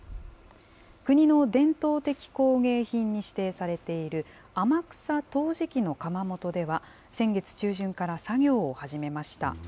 国の伝統的工芸品に指定されている天草陶磁器の窯元では、先月中旬から作業を始めました。